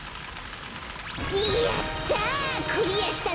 やった！